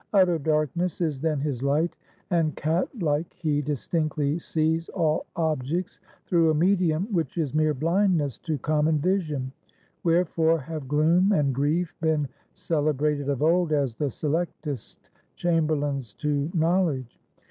Utter darkness is then his light, and cat like he distinctly sees all objects through a medium which is mere blindness to common vision. Wherefore have Gloom and Grief been celebrated of old as the selectest chamberlains to knowledge?